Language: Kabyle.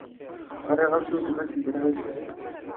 Ɣriɣ-as i weltma-s n Dda Lḥusin.